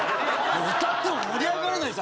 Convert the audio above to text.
歌っても盛り上がらないんですよ